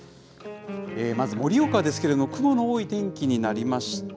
まず盛岡ですけれども、雲の多い天気になりました。